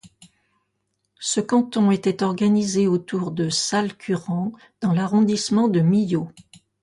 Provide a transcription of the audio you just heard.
Ce canton était organisé autour de Salles-Curan dans l'arrondissement de Millau.